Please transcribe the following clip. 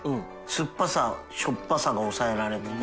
世辰僂しょっぱさが抑えられてて。